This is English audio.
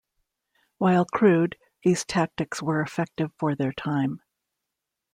While crude, these tactics were effective for their time.